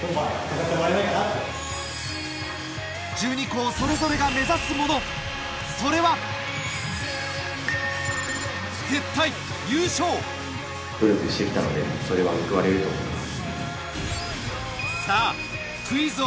１２校それぞれが目指すものそれはそれは報われると思います。